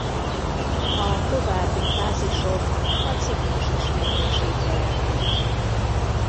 A további fázisok a ciklus ismétlését jelentik.